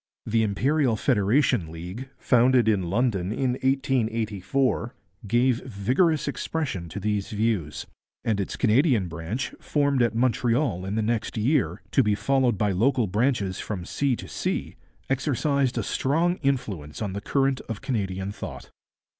The Imperial Federation League, founded in London in 1884, gave vigorous expression to these views; and its Canadian branch, formed at Montreal in the next year, to be followed by local branches from sea to sea, exercised a strong influence on the current of Canadian thought.